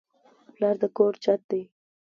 پلار د کور چت دی